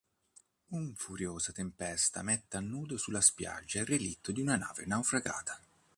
Un furiosa tempesta mette a nudo sulla spiaggia il relitto di una nave naufragata.